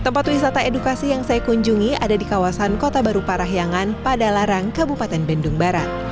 tempat wisata edukasi yang saya kunjungi ada di kawasan kota barupa rahyangan padalarang kabupaten bandung barat